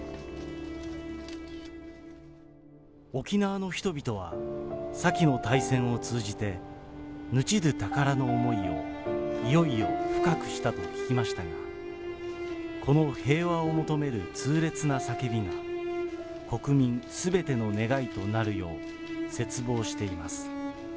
沖縄の人々は先の大戦を通じて、命どぅ宝の思いをいよいよ深くしたと聞きましたが、この平和を求める痛烈な叫びが、国民すべての願いとなるよう切望しています。